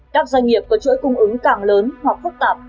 các doanh nghiệp có chuỗi cung ứng càng lớn hoặc phức tạp